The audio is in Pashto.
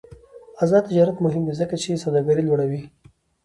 آزاد تجارت مهم دی ځکه چې سوداګري لوړوي.